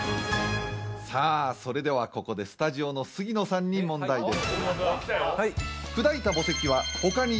さあ、それではここでスタジオの杉野さんに問題です。